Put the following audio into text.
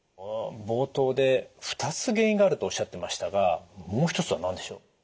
冒頭で２つ原因があるとおっしゃってましたがもう一つは何でしょう？